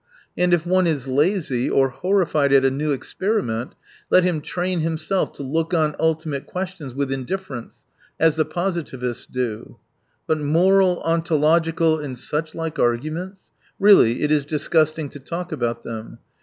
And if one is lazy, or horrified at a new experiment, let him train . himself to look on ultimate questions with indifference, as the positivists do. But moral, ontological and such like arguments !— really, it is disgusting to talk about them.